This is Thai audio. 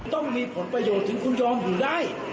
ต้องมีผลประโยชน์ถึงคุณยอมหุ่นได้